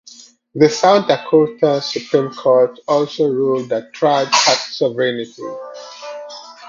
The South Dakota Supreme Court also ruled that tribes had sovereignty.